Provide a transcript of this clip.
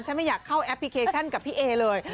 ไม่อยากเข้าแอปพลิเคชันกับพี่เอเลย